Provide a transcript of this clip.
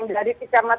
dari kisah masyarakat